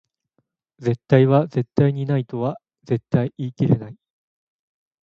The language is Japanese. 絶対は絶対にないとは絶対言い切れない